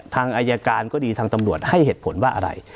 ทางอายการก็ดีทางตำรวจให้เหตุผลว่าอะไร